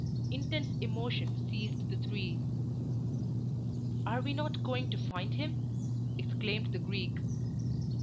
Intense emotion seized the three. "Are we not going to find him?" exclaimed the Greek.